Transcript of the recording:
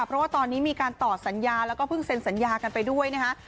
เพราะว่าตอนนี้มีการต่อสัญญาแล้วก็เพิ่งเซ็นสัญญากันไปด้วยนะคะ